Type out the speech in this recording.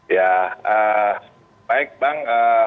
ya baik bang